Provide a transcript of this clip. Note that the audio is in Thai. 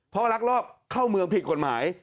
เพราะรักรอบเข้าเมืองผิดกฎหมาย